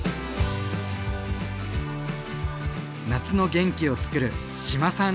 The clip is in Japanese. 夏の元気をつくる志麻さん